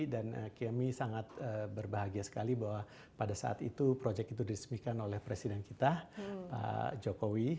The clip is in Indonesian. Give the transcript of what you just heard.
dan kami sangat berbahagia sekali bahwa pada saat itu proyek itu dirismikan oleh presiden kita pak jokowi